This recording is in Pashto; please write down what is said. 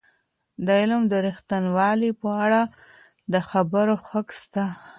د علم د ریښتینوالی په اړه د خبرو حق سته.